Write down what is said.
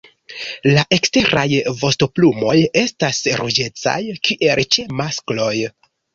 La eksteraj vostoplumoj estas ruĝecaj, kiel ĉe maskloj.